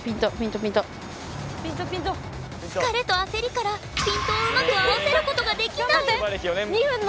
疲れと焦りからピントをうまく合わせることができない！